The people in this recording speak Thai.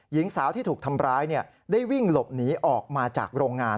หญิงสาวที่ถูกทำร้ายได้วิ่งหลบหนีออกมาจากโรงงาน